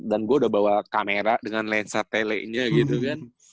dan gua udah bawa kamera dengan lensa tele nya gitu kan